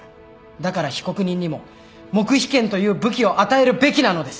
だから被告人にも黙秘権という武器を与えるべきなのです。